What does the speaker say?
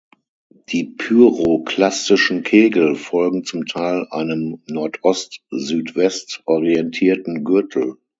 Die pyroklastischen Kegel folgen zum Teil einem Nordost-Südwest-orientierten Gürtel.